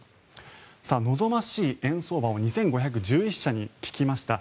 望ましい円相場を２５１１社に聞きました。